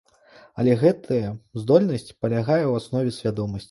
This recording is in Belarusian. Але гэтая здольнасць палягае у аснове свядомасці.